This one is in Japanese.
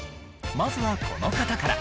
まずはこの方から。